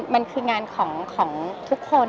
มันคืองานของทุกคน